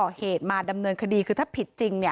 แล้วทำท่าเหมือนลบรถหนีไปเลย